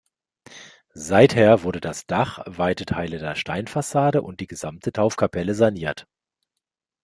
Seither wurden das Dach, weite Teile der Sandsteinfassade und die gesamte Taufkapelle saniert.